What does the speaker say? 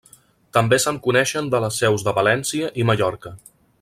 També se'n coneixen de les seus de València i Mallorca.